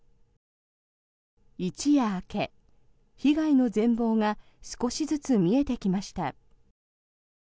一夜明け、被害の全ぼうが少しずつ見えてきました。